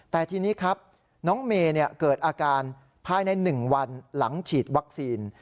แต่ทีนี้ครับน้องเมย์เกิดอาการภายใน๑วันหลังฉีดวัคซีน